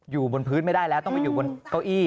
อยู่บนพื้นไม่ได้แล้วต้องไปอยู่บนเก้าอี้